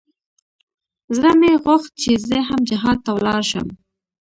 زړه مې غوښت چې زه هم جهاد ته ولاړ سم.